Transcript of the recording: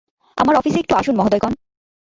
আমার অফিসে একটু আসুন, মহোদয়গণ।